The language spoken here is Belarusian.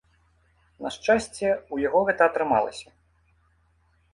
На шчасце, у яго гэта атрымалася.